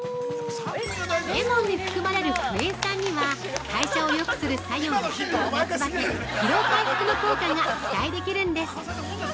◆レモンに含まれるクエン酸には代謝をよくする作用や夏バテ・疲労回復の効果が期待できるんです！！